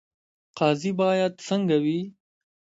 قاضي باید څنګه وي؟